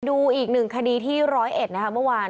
เดี๋ยวดูอีกหนึ่งคดีที่ร้อยเอ็ดนะฮะมาวัน